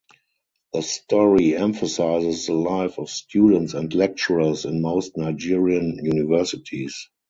The story emphasises the life of students and lecturers in most Nigerian universities.